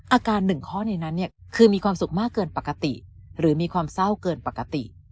อาการหนึ่งข้อในนั้นเนี่ยคือมีความสุขมากเกินปกติหรือมีความเศร้าเกินปกติ